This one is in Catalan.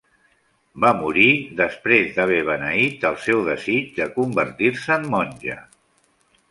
Va morir després d'haver beneït el seu desig de convertir-se en monja.